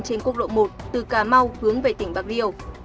trên quốc lộ một từ cà mau hướng về tỉnh bạc liêu